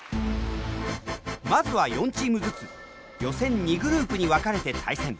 まずは４チームずつ予選２グループに分かれて対戦。